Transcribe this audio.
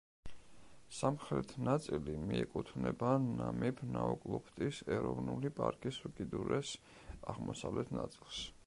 სამხრეთ ნაწილი მიეკუთვნება ნამიბ-ნაუკლუფტის ეროვნული პარკის უკიდურეს აღმოსავლეთ ნაწილს.